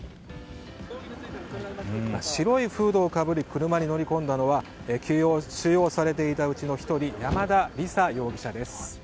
白いフードをかぶり車に乗り込んだのは収容されていたうちの１人山田李沙容疑者。